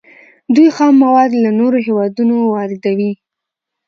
دوی خام مواد له نورو هیوادونو واردوي.